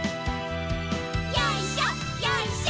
よいしょよいしょ。